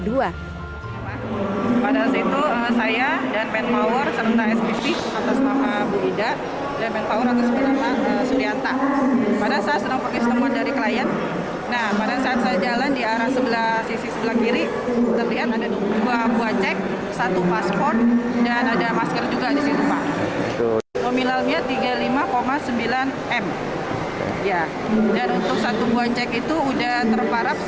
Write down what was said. dan untuk satu buang cek itu sudah terparap satu tanda tangan dan stempel